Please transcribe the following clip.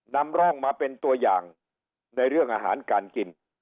นำร่องมาเป็นตัวอย่างในเรื่องอาหารการกิน